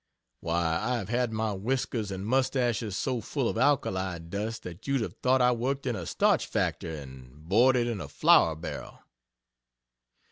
Why, I have had my whiskers and moustaches so full of alkali dust that you'd have thought I worked in a starch factory and boarded in a flour barrel.